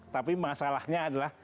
tapi masalahnya adalah